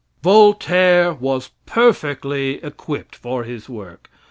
Voltaire was perfectly equipped for his work.